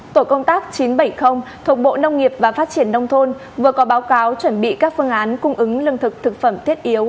tổ công tác chín trăm bảy mươi thuộc bộ nông nghiệp và phát triển nông thôn vừa có báo cáo chuẩn bị các phương án cung ứng lương thực thực phẩm thiết yếu